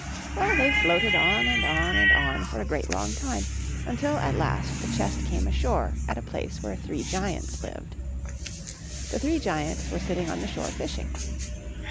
Well, they floated on and on and on for a great long time, until, at last, the chest came ashore at a place where three giants lived. The three giants were sitting on the shore fishing.